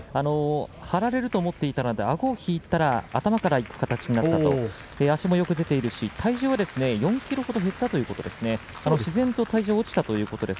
張られると思っていたのであごを引いて頭からいく形になったと足もよく出てるし体重は４ｋｇほどは減った自然と体重が落ちたということです。